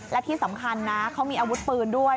และที่สำคัญนะเขามีอาวุธปืนด้วย